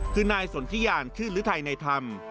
คือนายสนทิยานชื่อฤทัยในธรรม